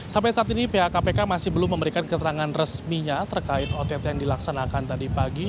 sampai saat ini pihak kpk masih belum memberikan keterangan resminya terkait ott yang dilaksanakan tadi pagi